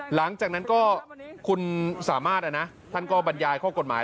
หลังจากนั้นก็คุณสามารถท่านก็บรรยายข้อกฎหมาย